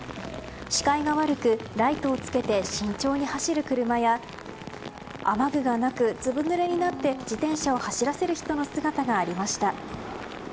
視界が悪く、ライトをつけて慎重に走る車や雨具がなく、ずぶぬれになって自転車を走らせる人の姿がありました。